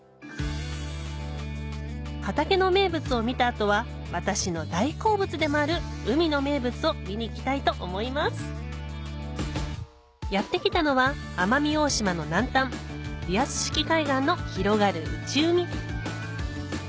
畑の名物を見た後は私の大好物でもある海の名物を見に行きたいと思いますやって来たのは奄美大島の南端リアス式海岸の広がる内海